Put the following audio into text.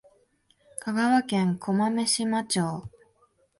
香川県小豆島町